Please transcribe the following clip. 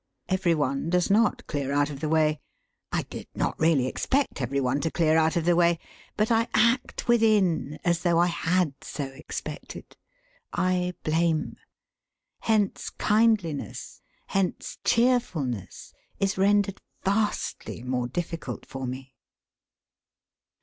Every one does not clear out of the way. I did not really expect every one to clear out of the way. But I act, within, as though I had so expected. I blame. Hence kindliness, hence cheerfulness, is rendered vastly more difficult for me.